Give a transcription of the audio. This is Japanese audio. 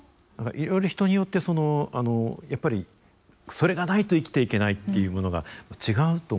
いろいろ人によってそのやっぱりそれがないと生きていけないっていうものが違うと思いますのでね。